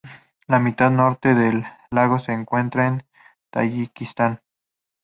La mitad norte del lago se encuentra en Tayikistán.